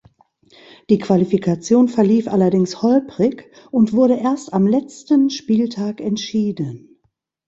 Die Qualifikation verlief allerdings holprig und wurde erst am letzten Spieltag entschieden.